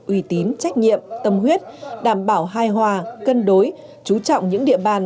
uy tín trách nhiệm tâm huyết đảm bảo hài hòa cân đối chú trọng những địa bàn